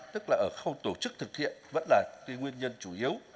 tức là ở khâu tổ chức thực hiện vẫn là cái nguyên nhân chủ yếu